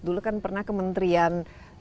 dulu kan pernah kementerian